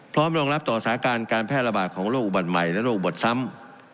รองรับต่อสถานการณ์การแพร่ระบาดของโรคอุบัติใหม่และโรคอุบัติซ้ำ